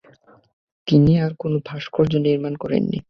তিনি আর কোন ভাস্কর্য নির্মাণ করেননি।